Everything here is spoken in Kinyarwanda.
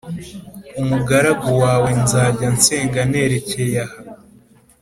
umugaragu wawe nzajya nsenga nerekeye aha.